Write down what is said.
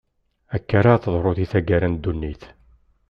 Akka ara teḍru di taggara n ddunit.